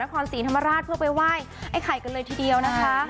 สาธารณีสี่มุมออกมาทั้งเว็บเลขนี้เลยครับ